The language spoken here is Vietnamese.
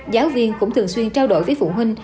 giáo viên cũng thường xuyên trao đổi với phụ huynh